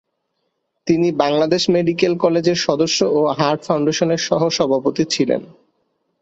তিনি বাংলাদেশ মেডিকেল কলেজের সদস্য ও হার্ট ফাউন্ডেশনের সহ-সভাপতি ছিলেন।